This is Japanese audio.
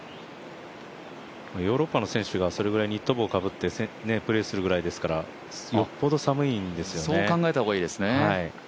ヨーロッパの選手がニット帽をかぶってプレーするぐらいですからよっぽど寒いんですよね。